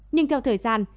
nhưng theo thời gian